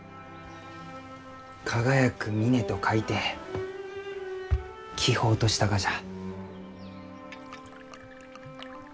輝く峰と書いて輝峰としたがじゃ。